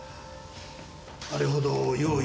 あれほど用意